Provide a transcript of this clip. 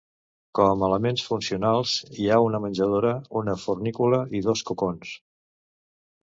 Com a elements funcionals hi ha una menjadora, una fornícula i dos cocons.